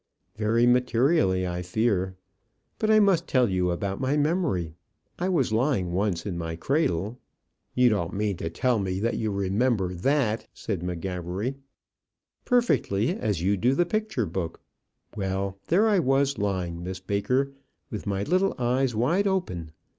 "Very materially, I fear. But I must tell you about my memory. I was lying once in my cradle " "You don't mean to tell me you remember that?" said M'Gabbery. "Perfectly, as you do the picture book. Well, there I was lying, Miss Baker, with my little eyes wide open.